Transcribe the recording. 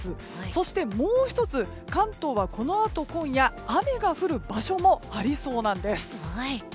そして、もう１つ関東はこのあと今夜雨が降る場所もありそうなんです。